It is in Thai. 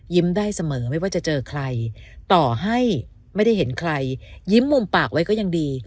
ได้เสมอไม่ว่าจะเจอใครต่อให้ไม่ได้เห็นใครยิ้มมุมปากไว้ก็ยังดี